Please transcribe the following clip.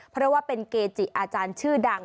เพราะว่าเป็นเกจิอาจารย์ชื่อดัง